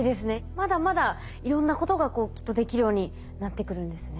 まだまだいろんなことがきっとできるようになってくるんですね。